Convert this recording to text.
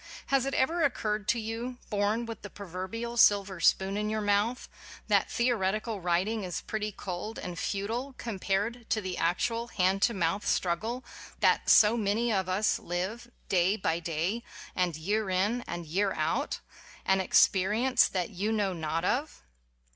Has it ever occurred to you, born with the proverbial silver spoon in your mouth, that theoretical writing is pretty cold and futile com pared to the actual hand to mouth struggle that so many of us live, day by day and year in and year out ŌĆö an ex perience that you know not of?